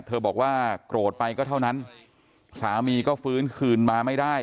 บอกว่าโกรธไปก็เท่านั้นสามีก็ฟื้นคืนมาไม่ได้